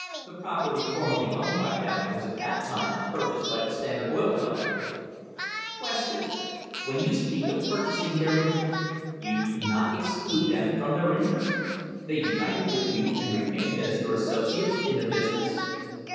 The property formerly owned by them was at that time purchased by the Standard Oil Company. Q. When you speak of purchasing their interest, you do not exclude them from their interest ? They united with you and remained as your associates in the business